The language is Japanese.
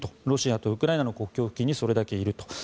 ロシアとウクライナの国境付近にそれだけいると。